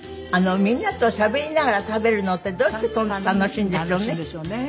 みんなとしゃべりながら食べるのってどうしてそんな楽しいんでしょうね。